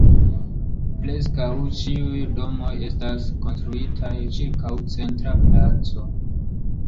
Preskaŭ ĉiuj domoj estas konstruitaj ĉirkaŭ centra placo.